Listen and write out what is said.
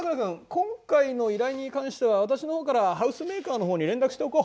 今回の依頼に関しては私のほうからハウスメーカーのほうに連絡しておこう。